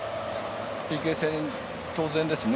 ＰＫ戦、当然ですね